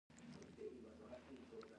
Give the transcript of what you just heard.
د اداتو په لحاظ تشبېه پر دوه ډوله ده.